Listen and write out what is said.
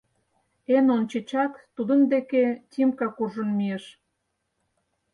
Эн ончычак тудын деке Тимка куржын мийыш: